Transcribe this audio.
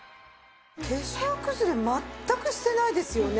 化粧崩れ全くしてないですよね。